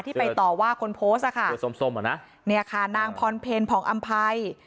ที่ไปต่อว่าคนโพสต์ค่ะนี่ค่ะนางพรเพลผองอำไพร